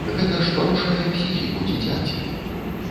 Гэта ж парушае псіхіку дзіцяці!